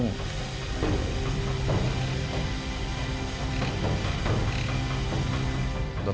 บริเวณสุดท้าย